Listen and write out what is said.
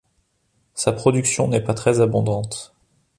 Sa production n'est pas très abondante.